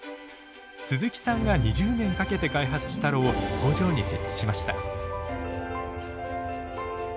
鈴木さんが２０年かけて開発した炉を工場に設置しました。